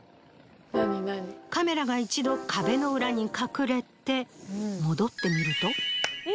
カメラが一度壁の裏に隠れて戻ってみると。